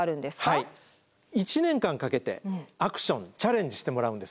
はい１年間かけてアクションチャレンジしてもらうんです。